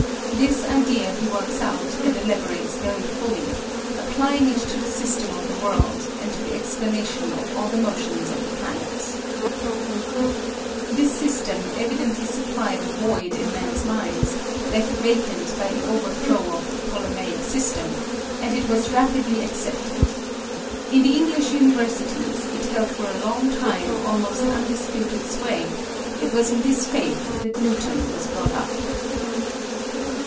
This idea he works out and elaborates very fully, applying it to the system of the world, and to the explanation of all the motions of the planets. [Illustration: FIG. 55. Descartes's diagram of vortices, from his Principia.] This system evidently supplied a void in men's minds, left vacant by the overthrow of the Ptolemaic system, and it was rapidly accepted. In the English Universities it held for a long time almost undisputed sway; it was in this faith that Newton was brought up.